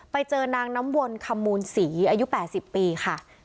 ไปเจอนางน้ำวนขมูลศรีอายุแปดสิบปีค่ะ